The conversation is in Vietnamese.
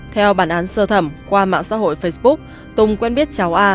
theo bản án sơ thẩm qua mạng xã hội facebook tùng quen biết cháu a